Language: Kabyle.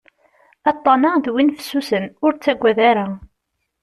Aṭṭan-a d win fessusen, ur ttaggad ara.